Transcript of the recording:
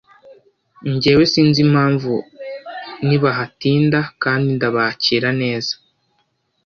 njyewe sinzi impamvu nibahatinda kandi ndabakira neza